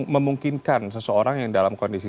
memungkinkan seseorang yang dalam kondisi